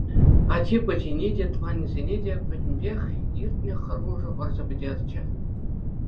Ачи-пӑчине те, тӑванӗсене те — пӗтӗмпех иртнӗ хӑрушӑ вӑрҫӑ пӗтерчӗ.